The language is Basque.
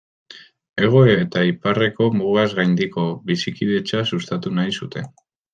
Hego eta Iparreko mugaz gaindiko bizikidetza sustatu nahi zuten.